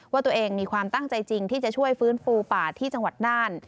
ว่าตัวเองมีความตั้งใจจริงที่จะช่วยฟื้นฟูป่าที่จังหวัดน่าน